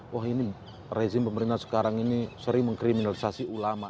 wah ini rezim pemerintah sekarang ini sering mengkriminalisasi ulama